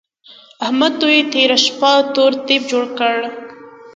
احمد دوی تېره شپه تور تيپ جوړ کړ.